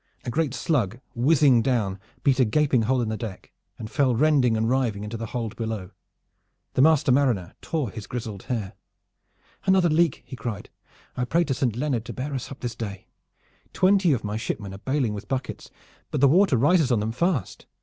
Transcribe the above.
A great slug, whizzing down, beat a gaping hole in the deck, and fell rending and riving into the hold below. The master mariner tore his grizzled hair. "Another leak!" he cried. "I pray to Saint Leonard to bear us up this day! Twenty of my shipmen are bailing with buckets, but the water rises on them fast.